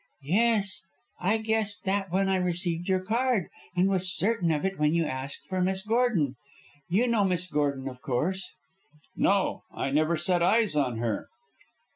"Yes. I guessed that when I received your card, and was certain of it when you asked for Miss Gordon. You know Miss Gordon, of course?" "No, I never set eyes on her."